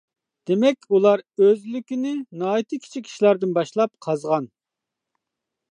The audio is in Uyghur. دېمەك، ئۇلار ئۆزلۈكنى ناھايىتى كىچىك ئىشلاردىن باشلاپ قازغان.